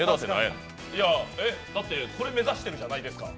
だって、これ目指してるじゃないですか。